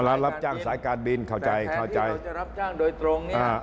เรารับจ้างสายการบินแต่แทนที่เราจะรับจ้างโดยตรง